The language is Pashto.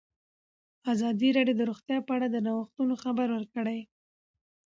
ازادي راډیو د روغتیا په اړه د نوښتونو خبر ورکړی.